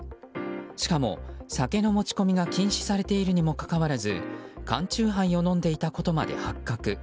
しかも酒の持ち込みが禁止されているにもかかわらず缶酎ハイを飲んでいたことまで発覚。